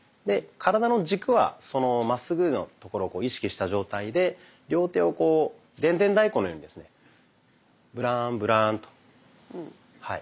で体の軸はまっすぐのところを意識した状態で両手をこうでんでん太鼓のようにですねブランブランと。